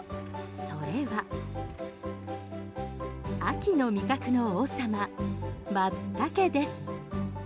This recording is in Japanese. それは、秋の味覚の王様マツタケだけです。